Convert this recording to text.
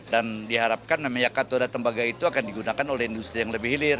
dan diharapkan memangnya katoda tembaga itu akan digunakan oleh industri yang lebih hilir